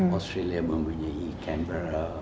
australia mempunyai kansas